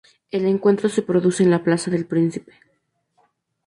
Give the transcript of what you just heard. El encuentro se produce en la Plaza del Príncipe.